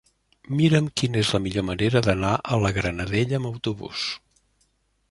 Mira'm quina és la millor manera d'anar a la Granadella amb autobús.